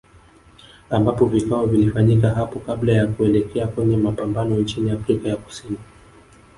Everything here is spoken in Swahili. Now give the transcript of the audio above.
Ambapo vikao vilifanyika hapo kabla ya kuelekea kwenye mapambano nchini Afrika ya Kusini